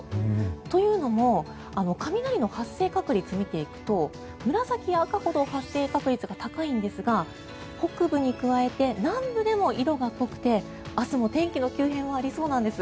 というのも、雷の発生確率を見ていくと、紫や赤ほど発生確率が高いんですが北部に加えて南部でも色が濃くて明日も天気の急変はありそうなんです。